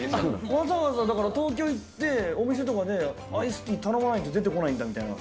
わざわざだから、東京行って、お店とかでアイスティー、頼まないと出てこないんだみたいな。